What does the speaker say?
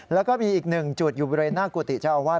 แล้วก็มีอีกหนึ่งจุดอยู่บริเวณหน้ากุฏิเจ้าอาวาส